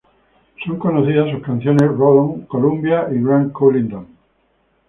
Son conocidas sus canciones "Roll On, Columbia" y "Grand Coulee Dam".